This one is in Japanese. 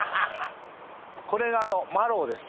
これマロウです。